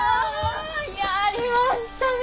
やりましたね！